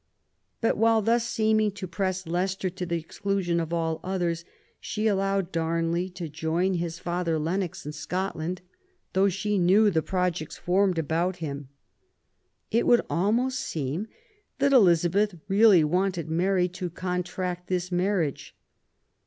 But while thus seeming to press Leicester to the exclusion of all others, she allowed Darnley to join his father Lennox, in Scotland, though she knew the projects formed about him. It would almost seem that Elizabeth really wished Mary to contract this marriage.